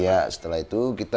ya setelah itu kita